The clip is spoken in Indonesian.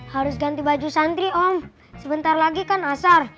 harus ganti baju santri om sebentar lagi kan asar